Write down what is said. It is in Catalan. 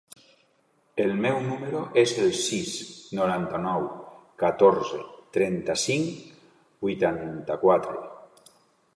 El meu número es el sis, noranta-nou, catorze, trenta-cinc, vuitanta-quatre.